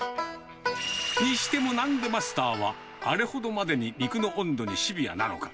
にしても、なんでマスターは、あれほどまでに肉の温度にシビアなのか。